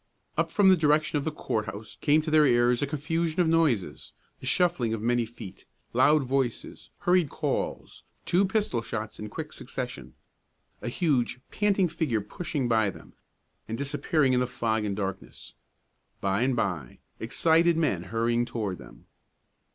Up from the direction of the court house came to their ears a confusion of noises; the shuffling of many feet, loud voices, hurried calls, two pistol shots in quick succession; a huge, panting figure pushing by them, and disappearing in the fog and darkness; by and by, excited men hurrying toward them.